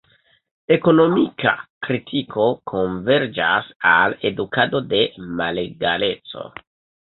Ekonomika kritiko konverĝas al edukado de malegaleco.